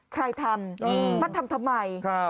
ใครทำมาทำทำไม